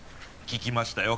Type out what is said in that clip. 聞きましたよ